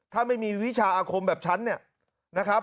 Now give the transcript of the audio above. ถ้าไม่มีวิชาอาคมแบบฉันเนี่ยนะครับ